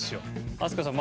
飛鳥さん